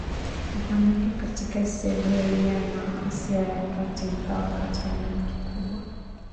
kupanuka katika Siberia na Asia ya Kati ikawa kati ya milki kubwa